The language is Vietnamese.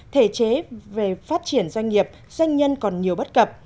thể chế về phát triển doanh nghiệp doanh nhân còn nhiều bất cập